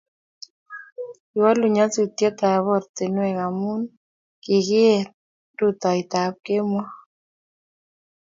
kiwolu nyasutietab ortinwek amu kikiet rutoitab kemou